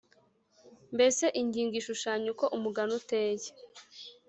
mbese ingingo ishushanya uko umugani uteye